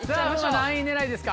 何位狙いですか？